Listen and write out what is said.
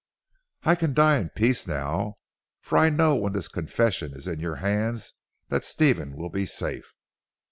"I can die in peace now, for I know when this confession is in your hands that Stephen will be safe.